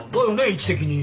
位置的に。